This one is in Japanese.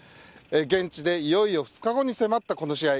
現地でいよいよ２日後に迫ったこの試合。